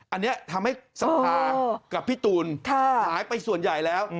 อันนี้ทำให้สภากับพี่ตูนหายไปส่วนใหญ่แล้ว